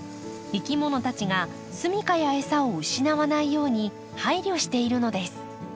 いきものたちが住みかや餌を失わないように配慮しているのです。